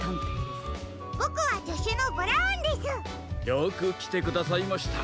よくきてくださいました。